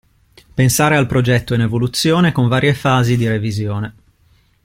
Pensare al progetto in evoluzione con varie fasi di revisione.